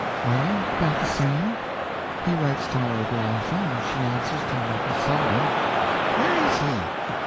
"Well, about the same. He writes tolerable often, and she answers tolerable seldom." "Where is he?"